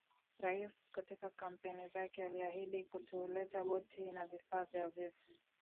Rais katika kampeni zake aliahidi kutuletea boti na vifaa vya uvuvi